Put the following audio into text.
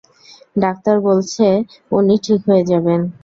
Doctor বলেছে, উনি ঠিক হয়ে যাবেন!